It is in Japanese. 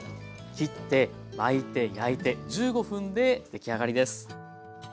切って巻いて焼いて１５分で出来上がりです！